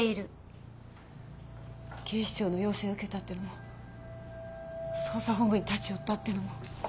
警視庁の要請を受けたってのも捜査本部に立ち寄ったってのも。